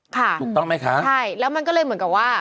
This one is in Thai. ถูกต้องไหมคะใช่แล้วมันก็เลยเหมือนกับว่า